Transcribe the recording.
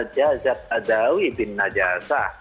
jazad adawi bin najasa